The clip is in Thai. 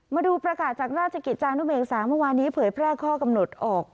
มาดูประกาศจากราชกิจจานุเบกษาเมื่อวานนี้เผยแพร่ข้อกำหนดออก